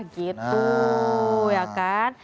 gitu ya kan